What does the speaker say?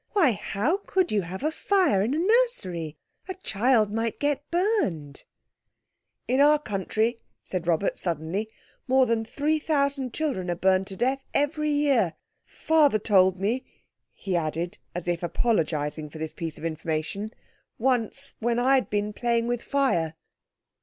"Why, how could you have a fire in a nursery? A child might get burned." "In our country," said Robert suddenly, "more than 3,000 children are burned to death every year. Father told me," he added, as if apologizing for this piece of information, "once when I'd been playing with fire."